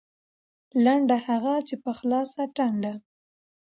لنډه هغه په خلاصه ټنډه